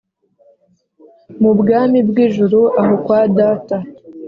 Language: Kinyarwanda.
mu bwami bw` ijuru aho kwa data